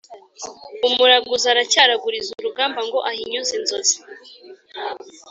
umugaruzi aracyaraguriza urugamba ngo ahinyuze inzozi